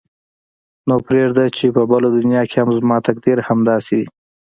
نو پرېږده چې په بله دنیا کې هم زما تقدیر همداسې وي.